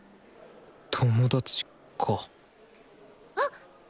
友達かあっ！